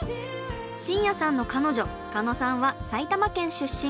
新谷さんの彼女鹿野さんは埼玉県出身。